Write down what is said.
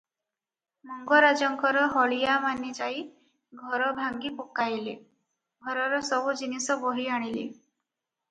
ମଙ୍ଗରାଜଙ୍କର ହଳିଆମାନେ ଯାଇ ଘର ଭାଙ୍ଗି ପକାଇଲେ, ଘରର ସବୁ ଜିନିଷ ବୋହି ଆଣିଲେ ।